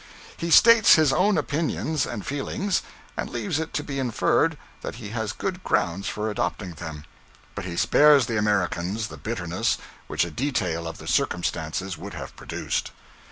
He states his own opinions and feelings, and leaves it to be inferred that he has good grounds for adopting them; but he spares the Americans the bitterness which a detail of the circumstances would have produced.